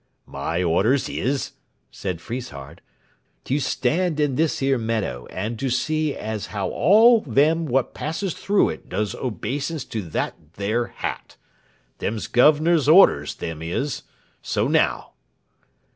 "My orders is," said Friesshardt, "to stand in this 'ere meadow and to see as how all them what passes through it does obeisance to that there hat. Them's Governor's orders, them is. So now."